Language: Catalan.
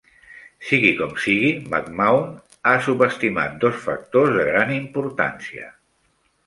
Sigui com sigui, McMahon ha subestimat dos factors de gran importància.